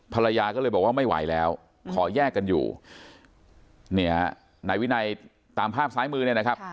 ภรรยาก็เลยบอกว่าไม่ไหวแล้วขอแยกกันอยู่เนี่ยนายวินัยตามภาพซ้ายมือเนี่ยนะครับ